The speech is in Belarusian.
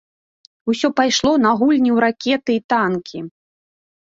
Усё пайшло на гульні ў ракеты й танкі.